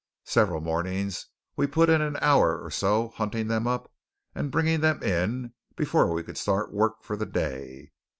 Several mornings we put in an hour or so hunting them up and bringing them in before we could start work for the day.